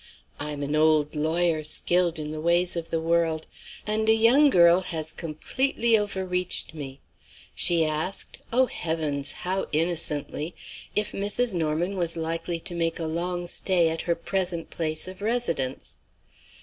I am an old lawyer, skilled in the ways of the world and a young girl has completely overreached me. She asked oh, heavens, how innocently! if Mrs. Norman was likely to make a long stay at her present place of residence."